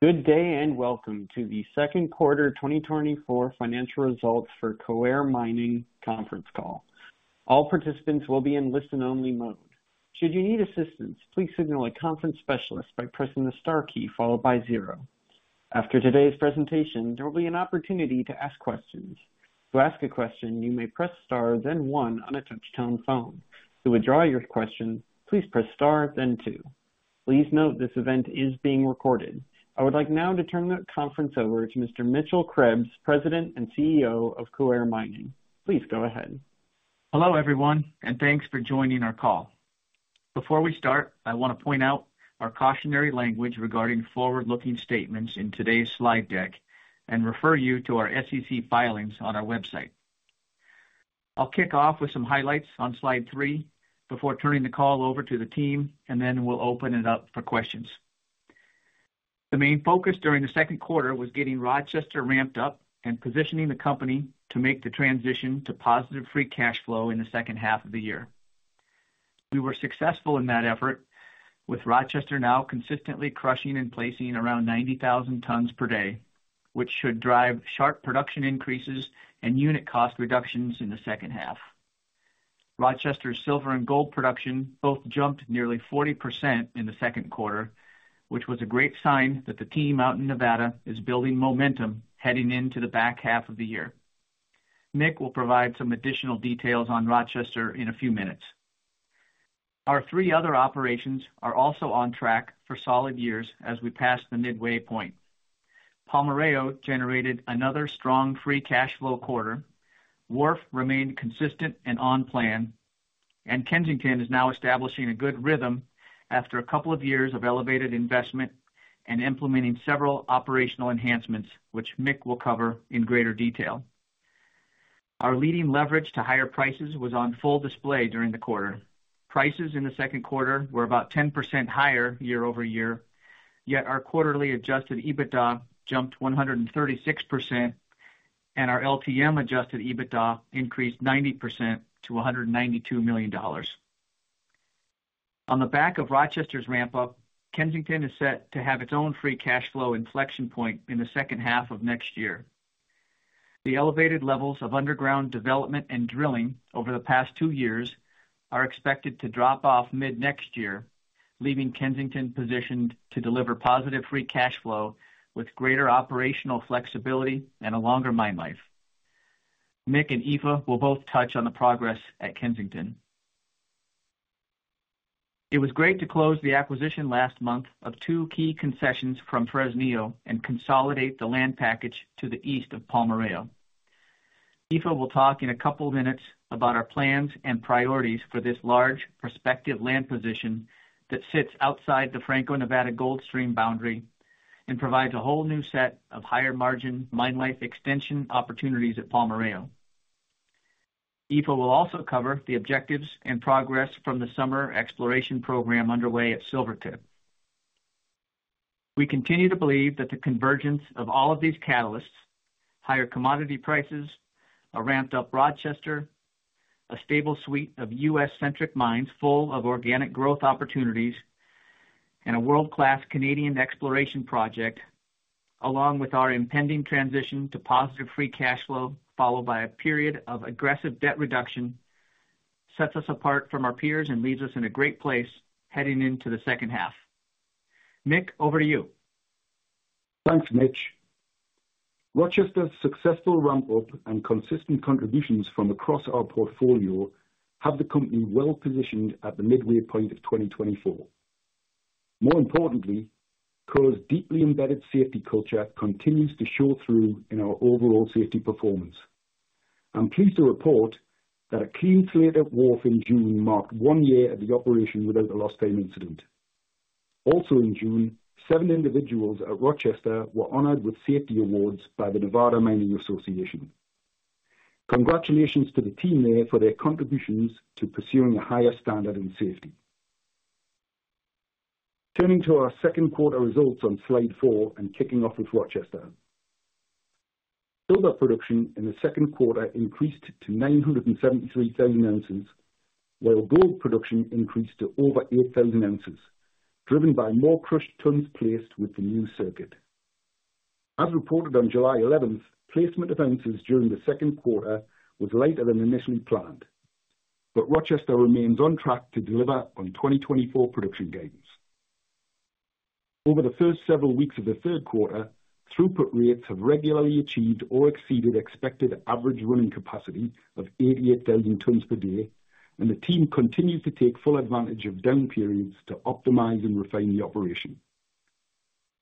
Good day, and welcome to the second quarter 2024 financial results for Coeur Mining conference call. All participants will be in listen-only mode. Should you need assistance, please signal a conference specialist by pressing the star key followed by zero. After today's presentation, there will be an opportunity to ask questions. To ask a question, you may press star then one on a touchtone phone. To withdraw your question, please press star then two. Please note this event is being recorded. I would like now to turn the conference over to Mr. Mitchell Krebs, President and CEO of Coeur Mining. Please go ahead. Hello, everyone, and thanks for joining our call. Before we start, I want to point out our cautionary language regarding forward-looking statements in today's slide deck and refer you to our SEC filings on our website. I'll kick off with some highlights on slide 3 before turning the call over to the team, and then we'll open it up for questions. The main focus during the second quarter was getting Rochester ramped up and positioning the company to make the transition to positive free cash flow in the second half of the year. We were successful in that effort, with Rochester now consistently crushing and placing around 90,000 tons per day, which should drive sharp production increases and unit cost reductions in the second half. Rochester's silver and gold production both jumped nearly 40% in the second quarter, which was a great sign that the team out in Nevada is building momentum heading into the back half of the year. Mick will provide some additional details on Rochester in a few minutes. Our three other operations are also on track for solid years as we pass the midway point. Palmarejo generated another strong free cash flow quarter. Wharf remained consistent and on plan, and Kensington is now establishing a good rhythm after a couple of years of elevated investment and implementing several operational enhancements, which Mick will cover in greater detail. Our leading leverage to higher prices was on full display during the quarter. Prices in the second quarter were about 10% higher year-over-year, yet our quarterly adjusted EBITDA jumped 136%, and our LTM adjusted EBITDA increased 90% to $192 million. On the back of Rochester's ramp up, Kensington is set to have its own free cash flow inflection point in the second half of next year. The elevated levels of underground development and drilling over the past two years are expected to drop off mid-next year, leaving Kensington positioned to deliver positive free cash flow with greater operational flexibility and a longer mine life. Mick and Aoife will both touch on the progress at Kensington. It was great to close the acquisition last month of two key concessions from Fresnillo and consolidate the land package to the east of Palmarejo. Aoife will talk in a couple of minutes about our plans and priorities for this large prospective land position that sits outside the Franco-Nevada Gold Stream boundary and provides a whole new set of higher margin mine life extension opportunities at Palmarejo. Aoife will also cover the objectives and progress from the summer exploration program underway at Silvertip. We continue to believe that the convergence of all of these catalysts, higher commodity prices, a ramped up Rochester, a stable suite of U.S.-centric mines full of organic growth opportunities, and a world-class Canadian exploration project, along with our impending transition to positive free cash flow, followed by a period of aggressive debt reduction, sets us apart from our peers and leaves us in a great place heading into the second half. Mick, over to you. Thanks, Mitch. Rochester's successful ramp-up and consistent contributions from across our portfolio have the company well positioned at the midway point of 2024. More importantly, Coeur's deeply embedded safety culture continues to show through in our overall safety performance. I'm pleased to report that a clean slate at Wharf in June marked 1 year of the operation without a lost time incident. Also in June, 7 individuals at Rochester were honored with safety awards by the Nevada Mining Association. Congratulations to the team there for their contributions to pursuing a higher standard in safety. Turning to our second quarter results on slide 4 and kicking off with Rochester. Silver production in the second quarter increased to 973,000 ounces, while gold production increased to over 8,000 ounces, driven by more crushed tons placed with the new circuit. As reported on July 11, placement of ounces during the second quarter was lighter than initially planned, but Rochester remains on track to deliver on 2024 production gains. Over the first several weeks of the third quarter, throughput rates have regularly achieved or exceeded expected average running capacity of 88,000 tons per day, and the team continues to take full advantage of down periods to optimize and refine the operation.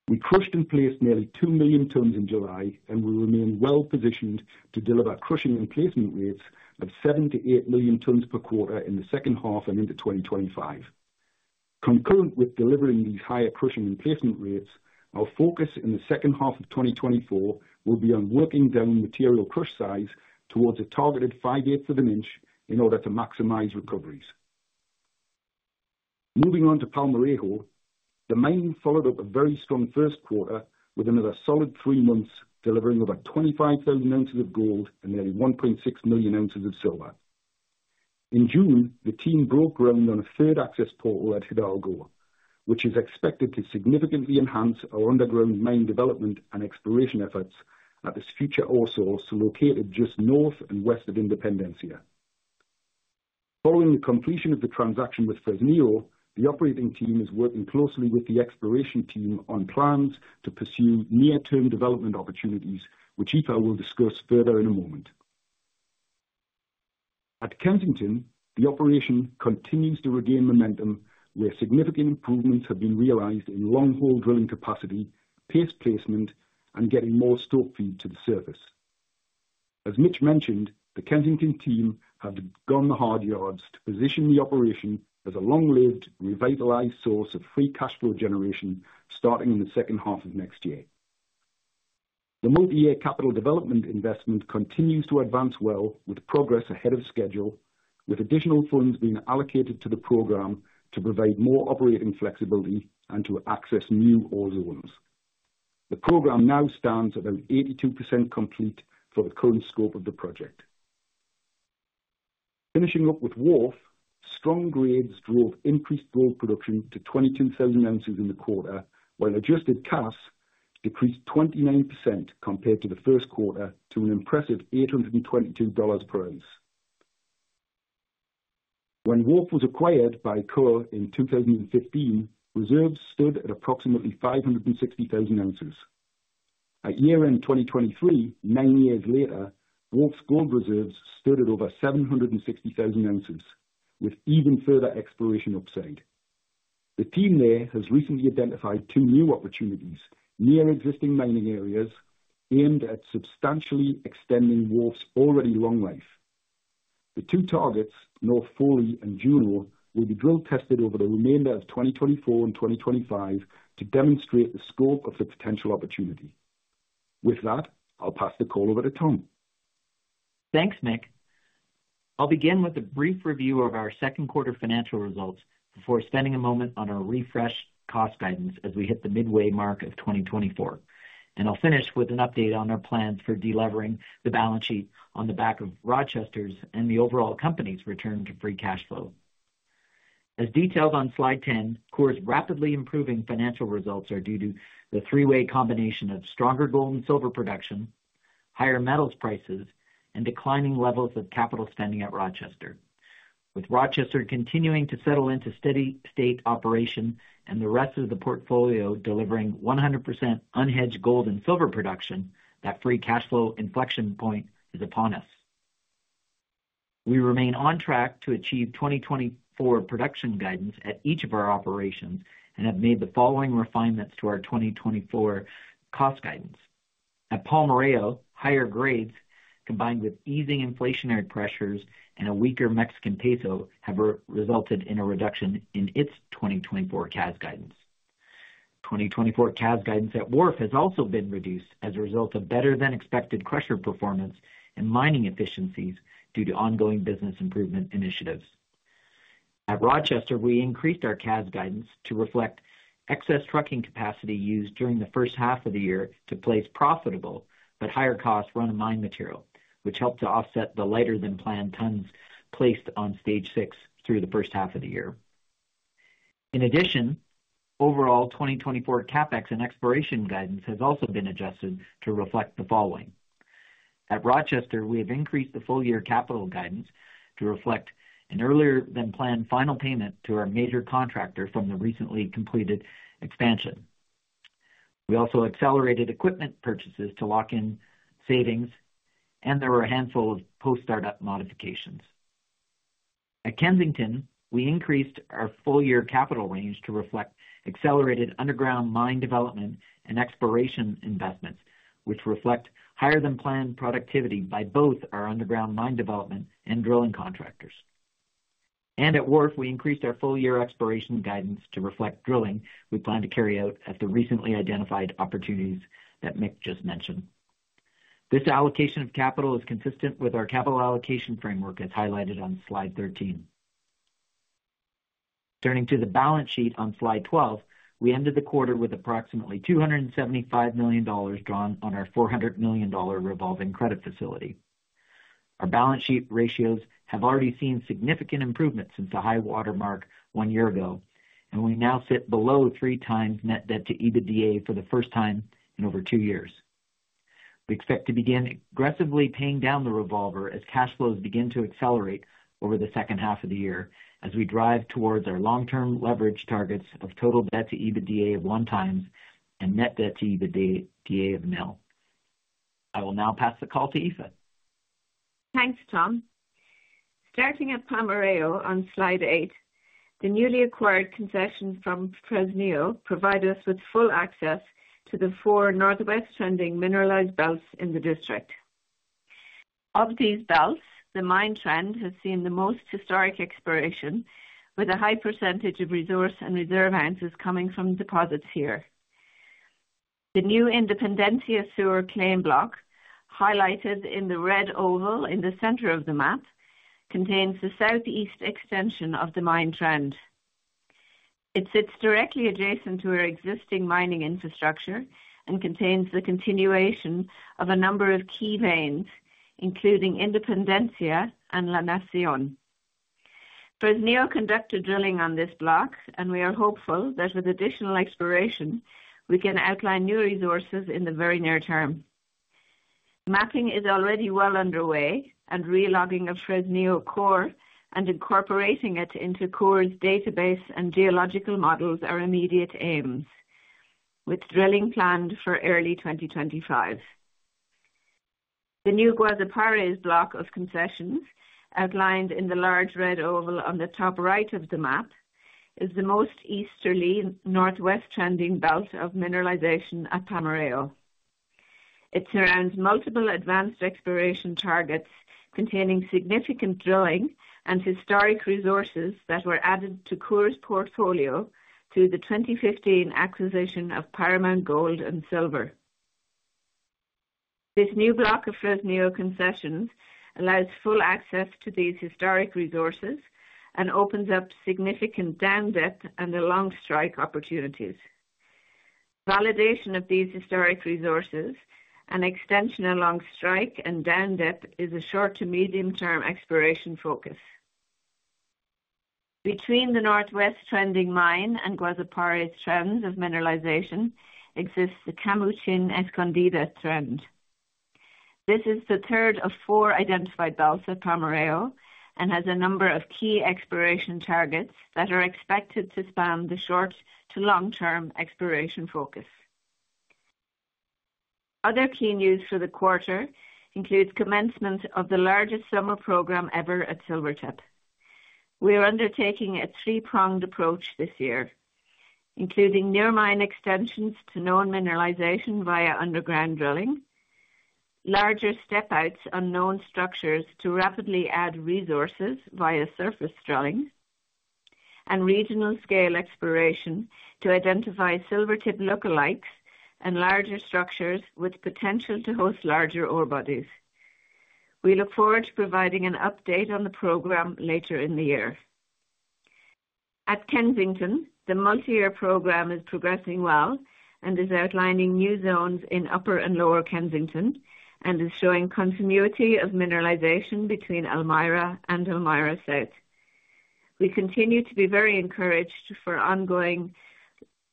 We crushed and placed nearly 2 million tons in July, and we remain well positioned to deliver crushing and placement rates of 7-8 million tons per quarter in the second half and into 2025. Concurrent with delivering these higher crushing and placement rates, our focus in the second half of 2024 will be on working down material crush size towards a targeted 5/8 of an inch in order to maximize recoveries. Moving on to Palmarejo, the mine followed up a very strong first quarter with another solid three months, delivering about 25,000 ounces of gold and nearly 1.6 million ounces of silver. In June, the team broke ground on a third access portal at Hidalgo, which is expected to significantly enhance our underground mine development and exploration efforts at this future ore source, located just north and west of Independencia. Following the completion of the transaction with Fresnillo, the operating team is working closely with the exploration team on plans to pursue near-term development opportunities, which Aoife will discuss further in a moment. At Kensington, the operation continues to regain momentum, where significant improvements have been realized in long-hole drilling capacity, paste placement, and getting more stope feed to the surface. As Mitch mentioned, the Kensington team have gone the hard yards to position the operation as a long-lived, revitalized source of free cash flow generation, starting in the second half of next year. The multi-year capital development investment continues to advance well with progress ahead of schedule, with additional funds being allocated to the program to provide more operating flexibility and to access new ore zones. The program now stands at 82% complete for the current scope of the project. Finishing up with Wharf, strong grades drove increased gold production to 22,000 ounces in the quarter, while adjusted CAS decreased 29% compared to the first quarter to an impressive $822 per ounce. When Wharf was acquired by Coeur in 2015, reserves stood at approximately 560,000 ounces. At year-end 2023, nine years later, Wharf's gold reserves stood at over 760,000 ounces, with even further exploration upside. The team there has recently identified two new opportunities near existing mining areas, aimed at substantially extending Wharf's already long life. The two targets, North Foley and Juno, will be drill-tested over the remainder of 2024 and 2025 to demonstrate the scope of the potential opportunity. With that, I'll pass the call over to Tom. Thanks, Mick. I'll begin with a brief review of our second quarter financial results before spending a moment on our refreshed cost guidance as we hit the midway mark of 2024. And I'll finish with an update on our plans for de-levering the balance sheet on the back of Rochester's and the overall company's return to free cash flow. As detailed on slide 10, Coeur's rapidly improving financial results are due to the three-way combination of stronger gold and silver production, higher metals prices, and declining levels of capital spending at Rochester. With Rochester continuing to settle into steady state operation and the rest of the portfolio delivering 100% unhedged gold and silver production, that free cash flow inflection point is upon us. We remain on track to achieve 2024 production guidance at each of our operations and have made the following refinements to our 2024 cost guidance. At Palmarejo, higher grades, combined with easing inflationary pressures and a weaker Mexican peso, have resulted in a reduction in its 2024 CAS guidance. 2024 CAS guidance at Wharf has also been reduced as a result of better-than-expected crusher performance and mining efficiencies due to ongoing business improvement initiatives. At Rochester, we increased our CAS guidance to reflect excess trucking capacity used during the first half of the year to place profitable but higher-cost run-of-mine material, which helped to offset the lighter-than-planned tons placed on Stage VI through the first half of the year. In addition, overall 2024 CapEx and exploration guidance has also been adjusted to reflect the following. At Rochester, we have increased the full-year capital guidance to reflect an earlier-than-planned final payment to our major contractor from the recently completed expansion. We also accelerated equipment purchases to lock in savings, and there were a handful of post-startup modifications. At Kensington, we increased our full-year capital range to reflect accelerated underground mine development and exploration investments, which reflect higher-than-planned productivity by both our underground mine development and drilling contractors. And at Wharf, we increased our full-year exploration guidance to reflect drilling we plan to carry out at the recently identified opportunities that Mick just mentioned. This allocation of capital is consistent with our capital allocation framework, as highlighted on slide 13. Turning to the balance sheet on slide 12, we ended the quarter with approximately $275 million drawn on our $400 million revolving credit facility. Our balance sheet ratios have already seen significant improvement since the high watermark one year ago, and we now sit below three times net debt to EBITDA for the first time in over two years. We expect to begin aggressively paying down the revolver as cash flows begin to accelerate over the second half of the year, as we drive towards our long-term leverage targets of total debt to EBITDA of one times and net debt to EBITDA of nil. I will now pass the call to Aoife. Thanks, Tom. Starting at Palmarejo on slide 8, the newly acquired concession from Fresnillo provide us with full access to the four northwest-trending mineralized belts in the district. Of these belts, the mine trend has seen the most historic exploration, with a high percentage of resource and reserve ounces coming from deposits here. The new Independencia Sur claim block, highlighted in the red oval in the center of the map, contains the southeast extension of the mine trend. It sits directly adjacent to our existing mining infrastructure and contains the continuation of a number of key veins, including Independencia and La Nación. Fresnillo conducted drilling on this block, and we are hopeful that with additional exploration, we can outline new resources in the very near term. Mapping is already well underway, and re-logging of Fresnillo core and incorporating it into Coeur's database and geological models are immediate aims, with drilling planned for early 2025. The new Guazapares block of concessions, outlined in the large red oval on the top right of the map, is the most easterly, northwest-trending belt of mineralization at Palmarejo. It surrounds multiple advanced exploration targets, containing significant drilling and historic resources that were added to Coeur's portfolio through the 2015 acquisition of Paramount Gold and Silver. This new block of Fresnillo concessions allows full access to these historic resources and opens up significant down-depth and along-strike opportunities. Validation of these historic resources and extension along strike and down-depth is a short to medium-term exploration focus. Between the northwest-trending mine and Guazapares trends of mineralization exists the Camuchín-Escondida trend. This is the third of four identified belts at Palmarejo and has a number of key exploration targets that are expected to span the short- to long-term exploration focus. Other key news for the quarter includes commencement of the largest summer program ever at Silvertip. We are undertaking a three-pronged approach this year, including near-mine extensions to known mineralization via underground drilling, larger step outs on known structures to rapidly add resources via surface drilling, and regional scale exploration to identify Silvertip lookalikes and larger structures with potential to host larger ore bodies. We look forward to providing an update on the program later in the year. At Kensington, the multi-year program is progressing well and is outlining new zones in upper and lower Kensington and is showing continuity of mineralization between Elmira and Elmira South. We continue to be very encouraged for ongoing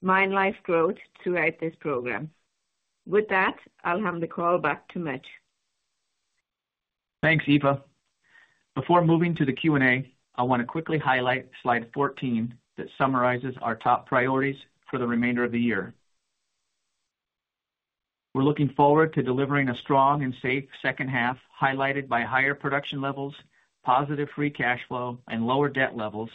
mine life growth throughout this program. With that, I'll hand the call back to Mitch. Thanks, Aoife. Before moving to the Q&A, I want to quickly highlight slide 14, that summarizes our top priorities for the remainder of the year. We're looking forward to delivering a strong and safe second half, highlighted by higher production levels, positive free cash flow, and lower debt levels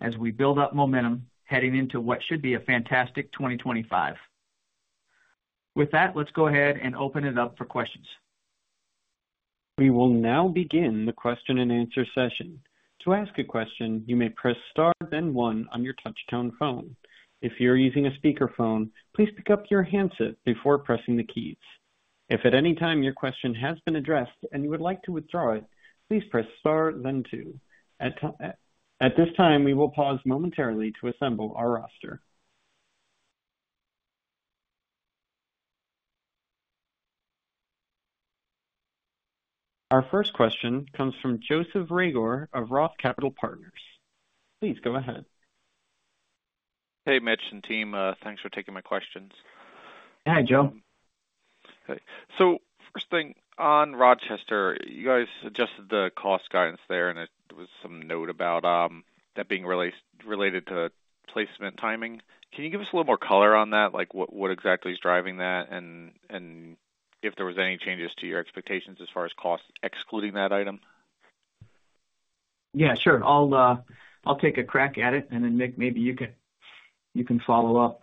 as we build up momentum, heading into what should be a fantastic 2025. With that, let's go ahead and open it up for questions. We will now begin the question-and-answer session. To ask a question, you may press star, then one on your touchtone phone. If you're using a speakerphone, please pick up your handset before pressing the keys. If at any time your question has been addressed and you would like to withdraw it, please press star then two. At this time, we will pause momentarily to assemble our roster. Our first question comes from Joseph Reagor of Roth Capital Partners. Please go ahead. Hey, Mitch and team. Thanks for taking my questions. Hi, Joe. Hey. So first thing, on Rochester, you guys adjusted the cost guidance there, and it was some note about that being related to placement timing. Can you give us a little more color on that? Like, what exactly is driving that? And if there was any changes to your expectations as far as cost, excluding that item. Yeah, sure. I'll, I'll take a crack at it, and then, Mick, maybe you can, you can follow up.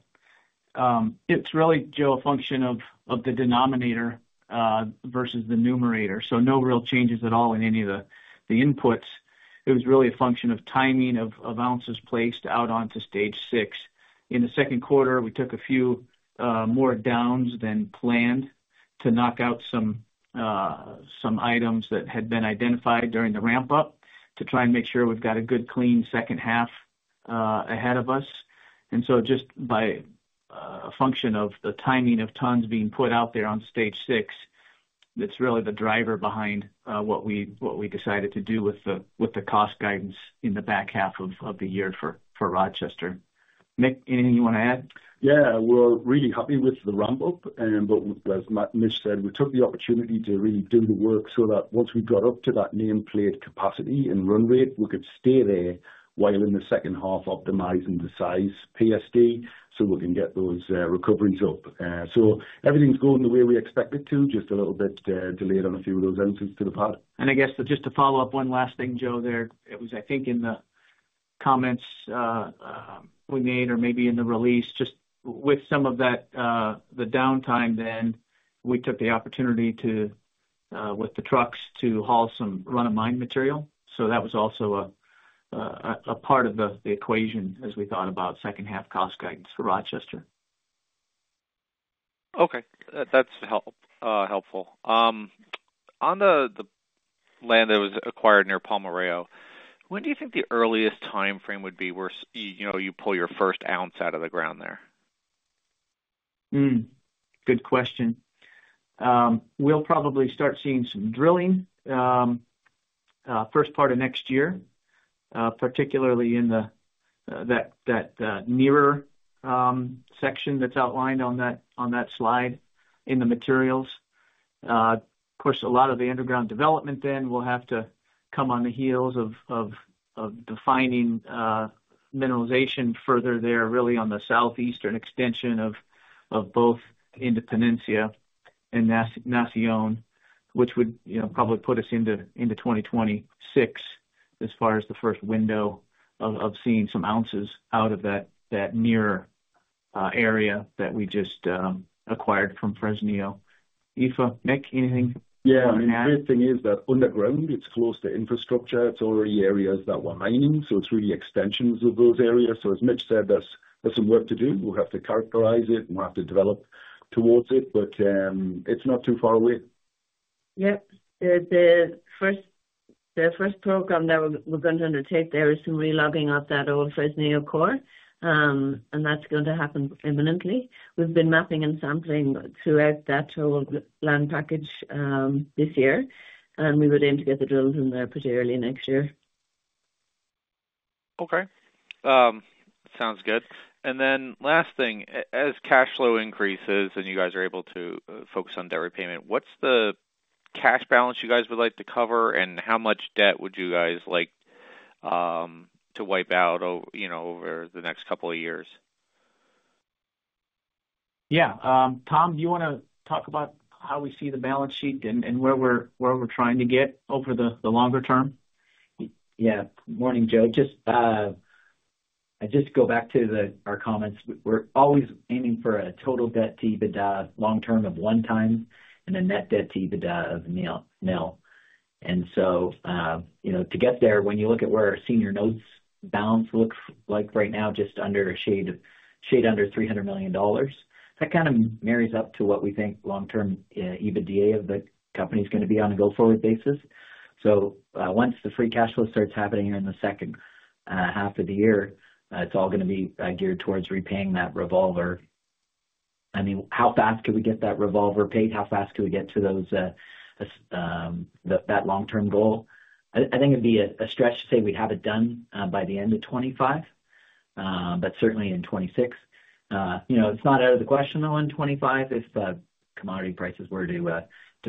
It's really, Joe, a function of the denominator versus the numerator, so no real changes at all in any of the inputs. It was really a function of timing of ounces placed out onto stage six. In the second quarter, we took a few more downs than planned to knock out some items that had been identified during the ramp up, to try and make sure we've got a good, clean second half ahead of us. And so just by a function of the timing of tons being put out there on stage six, that's really the driver behind what we decided to do with the cost guidance in the back half of the year for Rochester. Mick, anything you want to add? Yeah, we're really happy with the ramp up. But as Mitch said, we took the opportunity to really do the work so that once we got up to that nameplate capacity and run rate, we could stay there while in the second half, optimizing the size PSD, so we can get those recoveries up. So everything's going the way we expect it to. Just a little bit delayed on a few of those ounces to the pad. I guess just to follow up, one last thing, Joe, there. It was, I think, in the comments we made or maybe in the release, just with some of that, the downtime, then we took the opportunity to, with the trucks, to haul some run-of-mine material. So that was also a part of the equation as we thought about second half cost guidance for Rochester.... Okay, that's helpful. On the land that was acquired near Palmarejo, when do you think the earliest timeframe would be where, you know, you pull your first ounce out of the ground there? Good question. We'll probably start seeing some drilling, first part of next year, particularly in the nearer section that's outlined on that slide in the materials. Of course, a lot of the underground development then will have to come on the heels of defining mineralization further there, really on the southeastern extension of both Independencia and La Nación, which would, you know, probably put us into 2026, as far as the first window of seeing some ounces out of that nearer area that we just acquired from Fresnillo. Aoife, Mick, anything you want to add? Yeah, the great thing is that underground, it's close to infrastructure. It's already areas that were mining, so it's really extensions of those areas. So as Mitch said, there's, there's some work to do. We'll have to characterize it, and we'll have to develop towards it, but, it's not too far away. Yep. The first program that we're going to undertake there is some re-logging of that old Fresnillo core. And that's going to happen imminently. We've been mapping and sampling throughout that whole land package, this year, and we would aim to get the drills in there pretty early next year. Okay. Sounds good. And then last thing, as cash flow increases and you guys are able to focus on debt repayment, what's the cash balance you guys would like to cover, and how much debt would you guys like to wipe out or you know, over the next couple of years? Yeah. Tom, do you wanna talk about how we see the balance sheet and where we're trying to get over the longer term? Yeah. Morning, Joe. Just, I just go back to our comments. We're always aiming for a total debt to EBITDA long-term of 1x and a net debt to EBITDA of nil, nil. And so, you know, to get there, when you look at where our senior notes balance looks like right now, just under a shade of, shade under $300 million, that kind of marries up to what we think long-term, EBITDA of the company is gonna be on a go-forward basis. So, once the free cash flow starts happening in the second half of the year, it's all gonna be geared towards repaying that revolver. I mean, how fast can we get that revolver paid? How fast can we get to those, that long-term goal? I think it'd be a stretch to say we'd have it done by the end of 2025, but certainly in 2026. You know, it's not out of the question, though, in 2025, if the commodity prices were to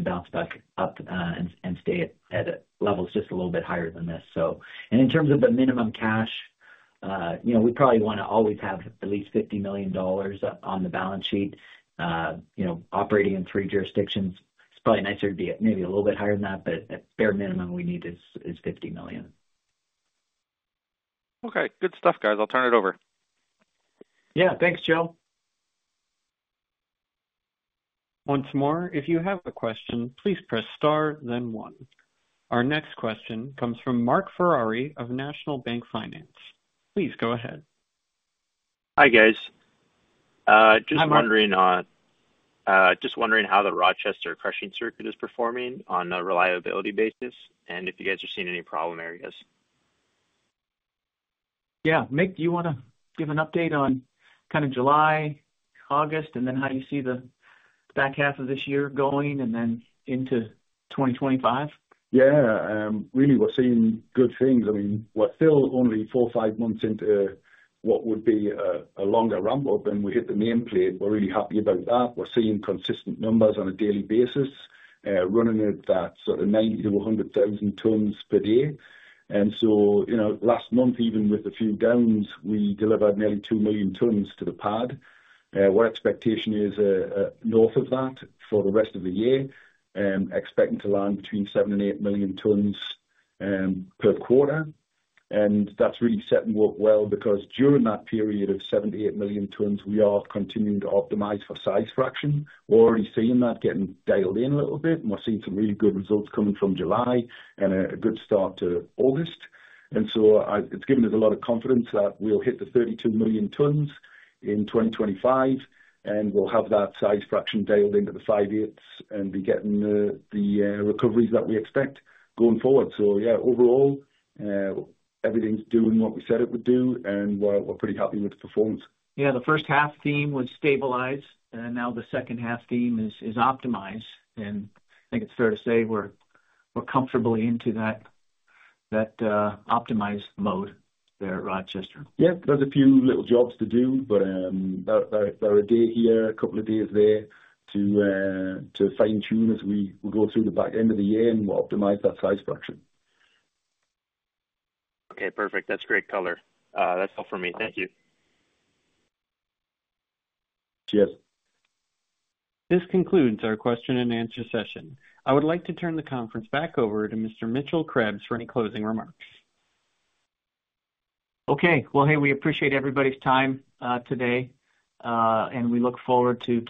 bounce back up and stay at levels just a little bit higher than this. So... In terms of the minimum cash, you know, we probably wanna always have at least $50 million on the balance sheet. You know, operating in three jurisdictions, it's probably nicer to be maybe a little bit higher than that, but at bare minimum, we need $50 million. Okay. Good stuff, guys. I'll turn it over. Yeah, thanks, Joe. Once more, if you have a question, please press Star, then One. Our next question comes from Mark Ferrari of National Bank Financial. Please go ahead. Hi, guys. Hi, Mark. Just wondering how the Rochester crushing circuit is performing on a reliability basis, and if you guys are seeing any problem areas? Yeah. Mick, do you wanna give an update on kind of July, August, and then how you see the back half of this year going and then into 2025? Yeah. Really, we're seeing good things. I mean, we're still only four or five months into what would be a longer ramp-up, and we hit the nameplate. We're really happy about that. We're seeing consistent numbers on a daily basis, running at that sort of 90-100,000 tons per day. And so, you know, last month, even with a few downs, we delivered nearly 2 million tons to the pad. Our expectation is north of that for the rest of the year, expecting to land between 7 and 8 million tons per quarter. And that's really setting us up well, because during that period of 7-8 million tons, we are continuing to optimize for size fraction. We're already seeing that getting dialed in a little bit, and we're seeing some really good results coming from July and a good start to August. So it's given us a lot of confidence that we'll hit the 32 million tons in 2025, and we'll have that size fraction dialed into the 5/8 and be getting the recoveries that we expect going forward. So yeah, overall, everything's doing what we said it would do, and we're pretty happy with the performance. Yeah, the first half theme was stabilize, and now the second half theme is optimize. And I think it's fair to say we're comfortably into that optimize mode there at Rochester. Yeah. There's a few little jobs to do, but they're a day here, a couple of days there, to fine-tune as we go through the back end of the year, and we'll optimize that size fraction. Okay, perfect. That's great color. That's all for me. Thank you. Cheers. This concludes our question-and-answer session. I would like to turn the conference back over to Mr. Mitchell Krebs for any closing remarks. Okay. Well, hey, we appreciate everybody's time today, and we look forward to talking-